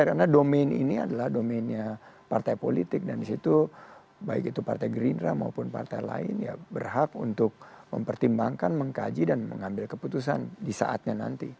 karena domain ini adalah domainnya partai politik dan di situ baik itu partai gerindra maupun partai lain ya berhak untuk mempertimbangkan mengkaji dan mengambil keputusan di saatnya nanti